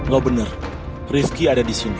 gak bener rifki ada di sini